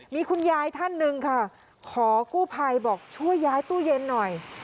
มีคุณยายท่านหนึ่งค่ะขอกู้ภัยบอกช่วยย้ายตู้เย็นหน่อย